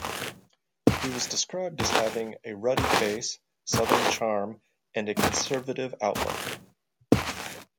He was described as having "a ruddy face, southern charm and a conservative outlook".